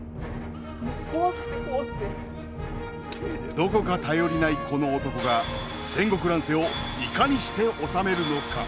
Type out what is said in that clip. どこか頼りないこの男が戦国乱世をいかにして治めるのか。